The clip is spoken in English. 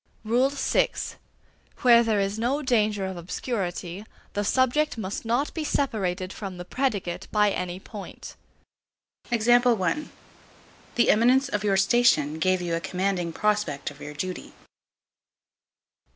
VI. Where there is no danger of obscurity, the subject must not be separated from the predicate by any point. The eminence of your station gave you a commanding prospect of your duty.